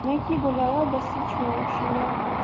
میں کی بولایا، سدی شوڑیا